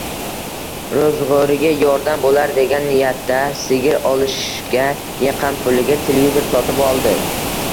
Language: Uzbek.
Roʻzgʻoriga yordam boʻlar degan niyatda sigir olishga yiqqan puliga televizor sotib oldi.